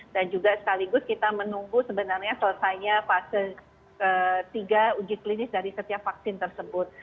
dan juga sekaligus kita menunggu sebenarnya selesainya fase ketiga uji klinis dari setiap vaksin tersebut